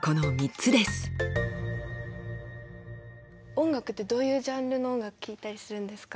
音楽ってどういうジャンルの音楽聴いたりするんですか？